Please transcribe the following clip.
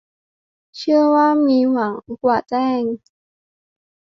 เชื่อว่ามีหวังกว่าแจ้ง